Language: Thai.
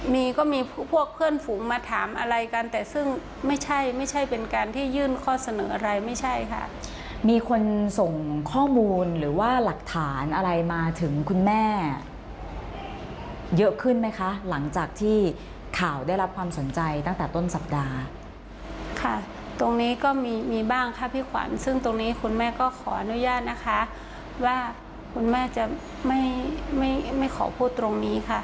มีก็มีพวกเพื่อนฝูงมาถามอะไรกันแต่ซึ่งไม่ใช่ไม่ใช่เป็นการที่ยื่นข้อเสนออะไรไม่ใช่ค่ะมีคนส่งข้อมูลหรือว่าหลักฐานอะไรมาถึงคุณแม่เยอะขึ้นไหมคะหลังจากที่ข่าวได้รับความสนใจตั้งแต่ต้นสัปดาห์ค่ะตรงนี้ก็มีมีบ้างค่ะพี่ขวัญซึ่งตรงนี้คุณแม่ก็ขออนุญาตนะคะว่าคุณแม่จะไม่ไม่ขอพูดตรงนี้ค่ะ